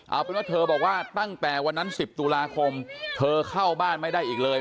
เอาเป็นว่าเธอบอกว่าตั้งแต่วันนั้น๑๐ตุลาคมเธอเข้าบ้านไม่ได้อีกเลย